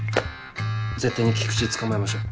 絶対に菊池捕まえましょう。